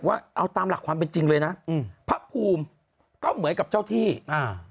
ว่าเอาตามหลักความเป็นจริงเลยนะอืมพระภูมิก็เหมือนกับเจ้าที่อ่า